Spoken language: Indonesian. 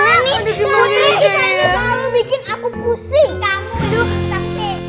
putri kita ini selalu bikin aku pusing